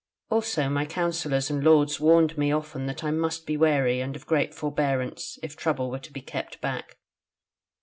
Also my counsellors and lords warned me often that I must be wary and of great forbearance if trouble were to be kept back.